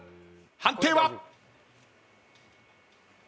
判定は？